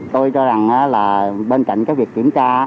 tôi cho rằng là bên cạnh cái việc kiểm tra